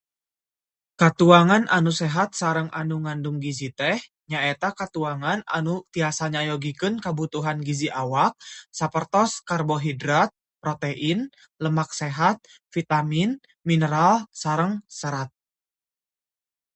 Katuangan anu sehat sareng anu ngandung gizi teh nyaeta katuangan anu tiasa nyayogikeun kabutuhan gizi awak, sapertos karbohidrat, protein, lemak sehat, vitamin, mineral, sareng serat.